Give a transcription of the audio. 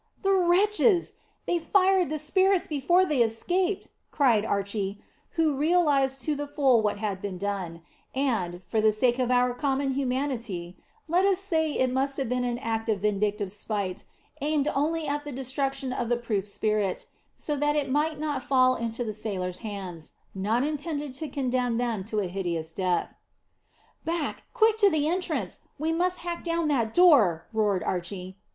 "The wretches! They fired the spirits before they escaped," cried Archy, who realised to the full what had been done; and, for the sake of our common humanity, let us say it must have been an act of vindictive spite, aimed only at the destruction of the proof spirit, so that it might not fall into the sailors' hands not intended to condemn them to a hideous death. "Back quick to the entrance! We must hack down that door," roared Archy.